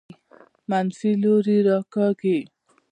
منفي لوري راکاږي.